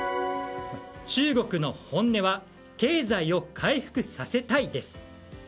中国の本音は経済を回復させたい。